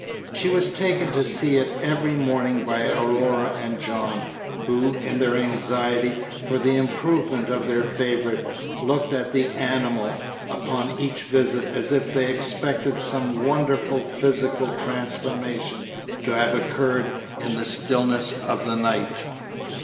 She was taken to see it every morning by Aurora and John, who, in their anxiety for the improvement of their favorite, looked at the animal upon each visit as if they expected some wonderful physical transformation to have occurred in the stillness of the night.